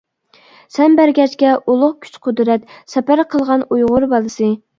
سەن بەرگەچكە ئۇلۇغ كۈچ-قۇدرەت، سەپەر قىلغان ئۇيغۇر بالىسى.